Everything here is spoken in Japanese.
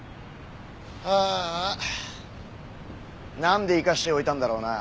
なんで生かしておいたんだろうな。